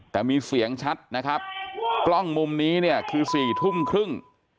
แต่มีเสียงชัดนะครับกล้องมุมนี้เนี่ยคือ๔ทุ่มครึ่ง